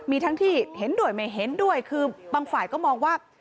มีทั้งที่เห็นด้วยไม่เห็นด้วยคือบางฝ่ายก็มองว่า